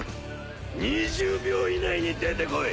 ２０秒以内に出てこい！